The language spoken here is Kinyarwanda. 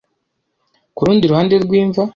kurundi ruhande rw'imva